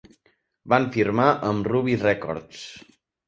Van firmar amb Ruby Records.